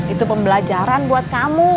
itu pembelajaran buat kamu